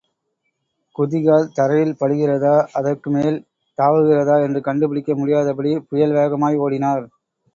குதிகால் தரையில் படுகிறதா, அதற்குமேல் தாவுகிறதா என்று கண்டுபிடிக்க முடியாதபடி புயல் வேகமாய் ஓடினார்.